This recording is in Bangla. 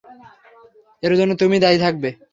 এর জন্য তুমিই দায়ি থাকবে।